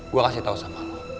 gue kasih tau sama aku